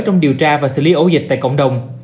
trong điều tra và xử lý ổ dịch tại cộng đồng